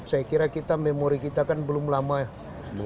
saya kira kita memori kita kan belum lama ya